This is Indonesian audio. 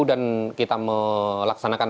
dan kita melaksanakan